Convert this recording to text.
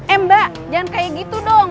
eh mbak jangan kayak gitu dong